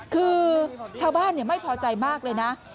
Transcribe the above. คือชาวบ้านไม่พอใจมากเลยนะ